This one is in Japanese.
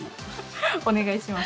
お願いします。